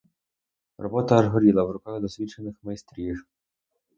Робота аж горіла в руках досвідчених майстрів.